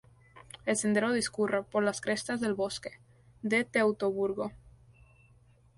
El sendero discurre por las crestas del bosque de Teutoburgo.